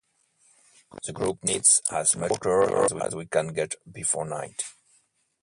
The group needs as much water as we can get before night.